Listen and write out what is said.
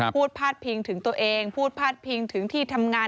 พาดพิงถึงตัวเองพูดพาดพิงถึงที่ทำงาน